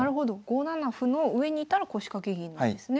５七歩の上にいたら腰掛け銀なんですね。